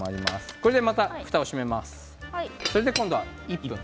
ここでふたを閉めます。